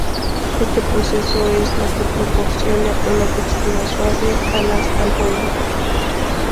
Este proceso es lo que proporciona una textura suave a las albóndigas.